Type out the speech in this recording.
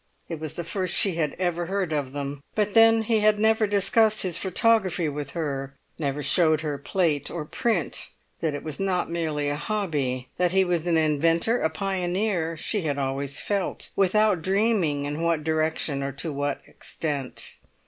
It was the first she had ever heard of them. But then he had never discussed his photography with her, never showed her plate or print. That it was not merely a hobby, that he was an inventor, a pioneer, she had always felt, without dreaming in what direction or to what extent.